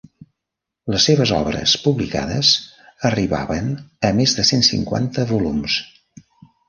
Les seves obres publicades arribaven a més de cent cinquanta volums.